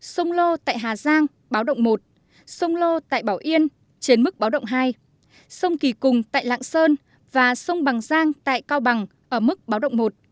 sông lô tại hà giang báo động một sông lô tại bảo yên trên mức báo động hai sông kỳ cùng tại lạng sơn và sông bằng giang tại cao bằng ở mức báo động một